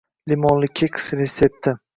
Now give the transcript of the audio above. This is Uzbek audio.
Limonli keks retsepti